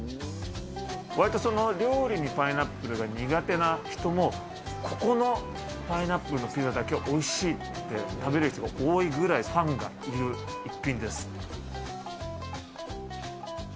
割と料理にパイナップルが苦手な人も、ここのパイナップルのピザだけはおいしいって食べる人が多いぐらい、ファンがいる一品です。